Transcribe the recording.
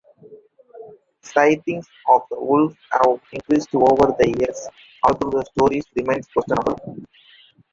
Sightings of the wolf have increased over the years, although the stories remain questionable.